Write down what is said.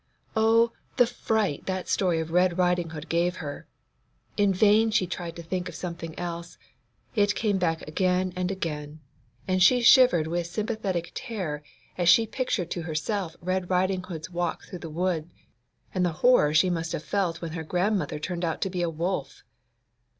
Oh, the fright that story of Red Riding hood gave her! In vain she tried to think of something else; it came back again and again, and she shivered with sympathetic terror as she pictured to herself Red Riding hood's walk through the wood, and the horror she must have felt when her grandmother turned out to be a wolf!